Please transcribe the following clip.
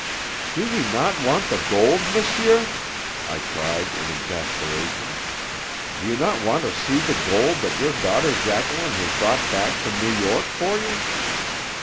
"Do you not want the gold, monsieur?" I cried in exasperation. "Do you not want to see the gold that your daughter Jacqueline has brought back from New York for you?"